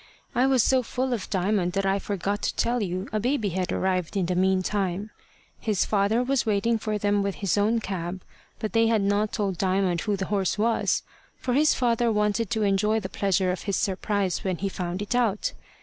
I was so full of Diamond that I forgot to tell you a baby had arrived in the meantime. His father was waiting for them with his own cab, but they had not told Diamond who the horse was; for his father wanted to enjoy the pleasure of his surprise when he found it out.